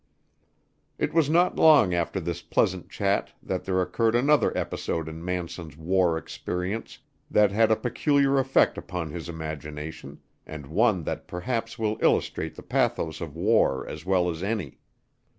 It was not long after this pleasant chat that there occurred another episode in Manson's war experience that had a peculiar effect upon his imagination, and one that perhaps will illustrate the pathos of war as well as any.